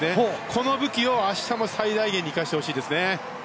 この武器を明日も最大限に生かしてほしいですね。